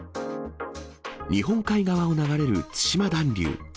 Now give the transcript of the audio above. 日本海側を流れる対馬暖流。